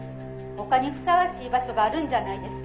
「他にふさわしい場所があるんじゃないですか？」